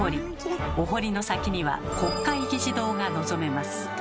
お濠の先には国会議事堂が望めます。